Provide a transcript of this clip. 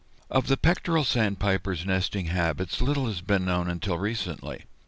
Of the Pectoral Sandpiper's nesting habits, little has been known until recently.